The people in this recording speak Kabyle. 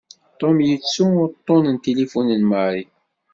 Tom yettu uṭṭun n tilifun n Mary.